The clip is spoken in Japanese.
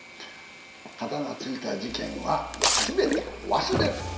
カタがついた事件は全て忘れる！